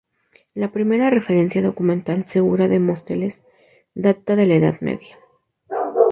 La primera referencia documental segura de Móstoles data de la Edad Media.